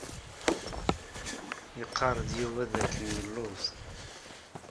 Iqqaṛ-d Yuba d akken yelluẓ.